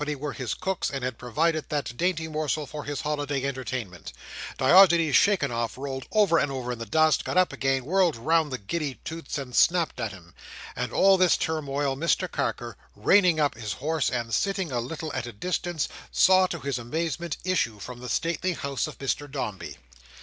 were his cooks, and had provided that dainty morsel for his holiday entertainment; Diogenes shaken off, rolled over and over in the dust, got up again, whirled round the giddy Toots and snapped at him: and all this turmoil Mr Carker, reigning up his horse and sitting a little at a distance, saw to his amazement, issue from the stately house of Mr Dombey.